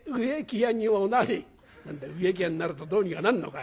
「何だい植木屋になるとどうにかなんのかい」。